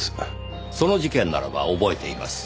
その事件ならば覚えています。